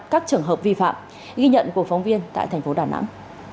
các trường hợp vi phạm ghi nhận của phóng viên tại thành phố đà nẵng